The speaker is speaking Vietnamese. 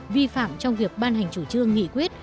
vi phạm trong việc ban hành chủ trương nghị quyết